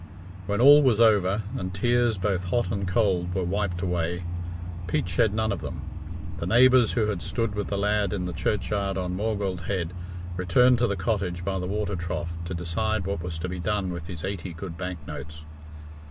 When all was over, and tears both hot and cold were wiped away Pete shed none of them the neighbours who had stood with the lad in the churchyard on Maughold Head returned to the cottage by the water trough to decide what was to be done with his eighty good bank notes.